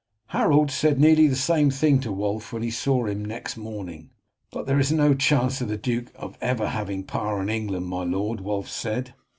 Harold said nearly the same thing to Wulf when he saw him the next morning. "But there is no chance of the duke ever having power in England, my lord," Wulf said.